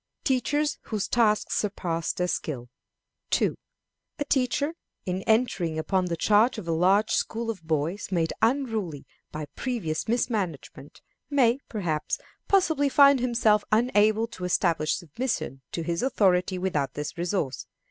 Teachers whose Tasks surpass their Skill. 2. A teacher, in entering upon the charge of a large school of boys made unruly by previous mismanagement, may, perhaps, possibly find himself unable to establish submission to his authority without this resource.